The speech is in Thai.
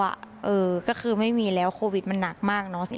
เออก็คือไม่มีแล้วโควิดมันหนักมากเนอะ